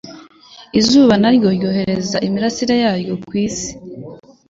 izuba na ryo ryohereza imirasire ya ryo ku isi,